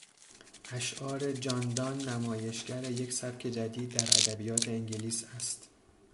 اشعار جانداننمایشگر یک سبک جدید در ادبیات انگلیس است.